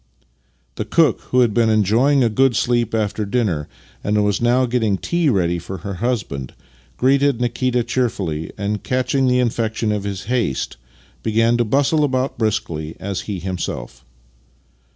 The cook, who had been enjojdng a good sleep after dinner and was now getting tea ready for her husband, greeted Nikita cheerfully, and, catching the infection of his haste, began to bustle about as briskly as he himself.